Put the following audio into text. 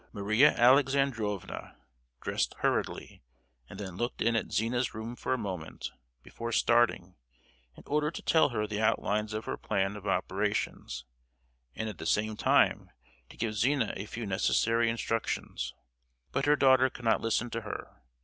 Maria Alexandrovna dressed hurriedly, and then looked in at Zina's room for a moment, before starting, in order to tell her the outlines of her plan of operations, and at the same time to give Zina a few necessary instructions. But her daughter could not listen to her.